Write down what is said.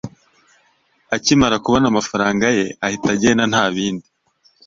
akimara kubona amafaranga ye ahita agenda nta bindi